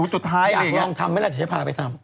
หัวจดท้ายอะไรอย่างงี้อยากลองทำไหมล่ะจะพาไปทำ